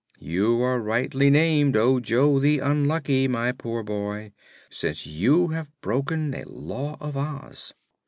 You are rightly named Ojo the Unlucky, my poor boy, since you have broken a Law of Oz.